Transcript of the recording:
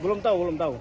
belum tahu belum tahu